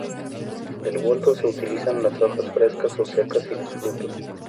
Del boldo se utilizan: las hojas frescas o secas y los frutos.